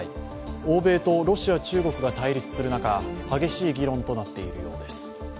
欧米とロシア、中国が対立する中激しい議論となっているようです。